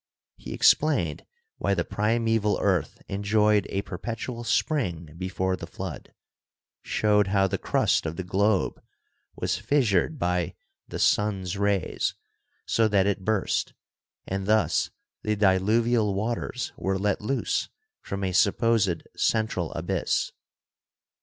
He explained why the primeval earth enjoyed a perpetual spring before the flood, showed how the crust of the globe was fissured by "the sun's rays," so that it burst, and thus the diluvial waters were let loose from a supposed central abyss.